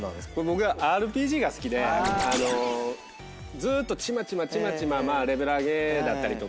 僕ＲＰＧが好きでずーっとちまちまちまちまレベル上げだったりとか。